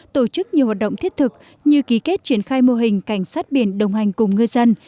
tổ chức nhiều hoạt động thiết thực như ký kết triển khai mô hình cảnh sát biển đồng hành cùng ngư dân